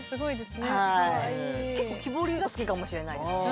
結構木彫りが好きかもしれないですね。